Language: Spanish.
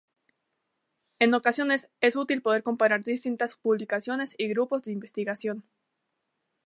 En ocasiones es útil poder comparar distintas publicaciones y grupos de investigación.